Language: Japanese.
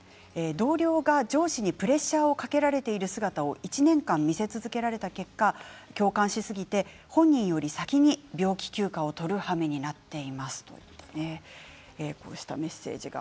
同僚が上司にプレッシャーをかけられる姿を１年間見続けた結果共感し続けて本人より先に病気休暇を取るはめになっています。